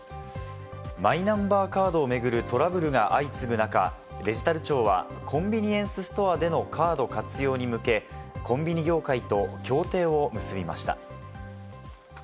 マイナンバーカードを巡るトラブルが相次ぐ中、デジタル庁はコンビニエンスストアでのカード活用に向け、コンビニ業界と協定を結びました。